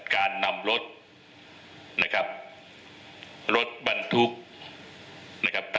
การนำรถนะครับรถบรรทุกนะครับ